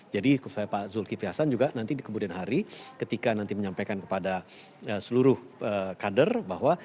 jadi supaya pak zulkifli hasan juga nanti di kemudian hari ketika nanti menyampaikan kepada seluruh kader bahwa